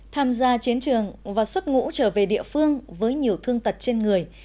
tham gia chiến trường và xuất ngũ trở về địa phương với nhiều thương tật trên người